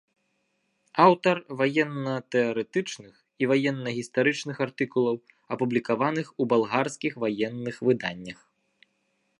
Аўтар ваенна-тэарэтычных і ваенна-гістарычных артыкулаў, апублікаваных у балгарскіх ваенных выданнях.